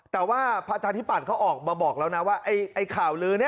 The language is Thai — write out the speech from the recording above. แต่ว่าประชาธิปัตย์เขาออกมาบอกแล้วนะว่าไอ้ข่าวลื้อนี้